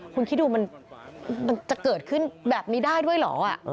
คุณคิดดูมันจะเกิดขึ้นแบบนี้ได้ด้วยเหรอ